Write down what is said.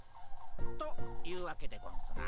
というわけでゴンスな？